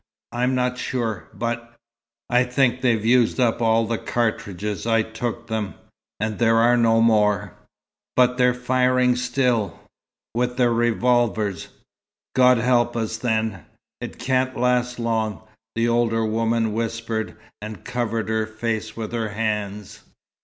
"I'm not sure. But I think they've used up all the cartridges I took them. And there are no more." "But they're firing still." "With their revolvers." "God help us, then! It can't last long," the older woman whispered, and covered her face with her hands.